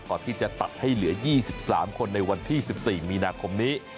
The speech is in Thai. ก่อนที่จะตัดให้เหลือ๒๓คนในวันที่๑๔มีนาคมนี้